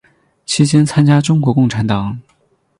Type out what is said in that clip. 期间参加中国共产党。